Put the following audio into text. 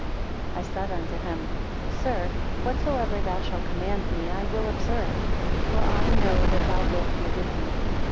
27 I said unto him, sir, whatsoever thou shall command me, I will observe; for I know that thou wilt be with me.